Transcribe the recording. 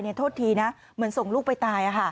โทษทีนะเหมือนส่งลูกไปตาย